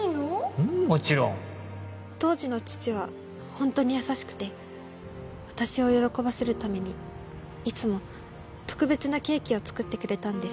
うんもちろん当時の父はホントに優しくて私を喜ばせるためにいつも特別なケーキを作ってくれたんです